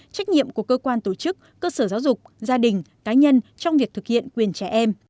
trách nhiệm của cơ quan tổ chức cơ sở giáo dục gia đình cá nhân trong việc thực hiện quyền trẻ em